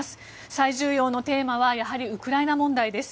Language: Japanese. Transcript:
最重要のテーマはやはりウクライナ問題です。